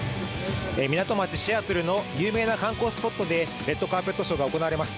港町シアトルの有名な観光地で、レッドカーペットショーが行われます。